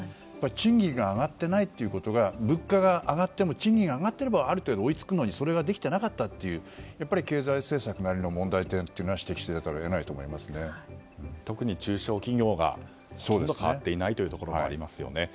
賃金が上がってないということが物価が上がっても賃金が上がってもある程度、追いつくのにそれができていなかったのは経済政策なりの問題点を指摘せざるを特に中小企業がほとんど変わっていないということもありますよね。